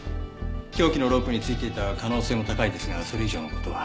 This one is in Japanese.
凶器のロープについていた可能性も高いですがそれ以上の事は。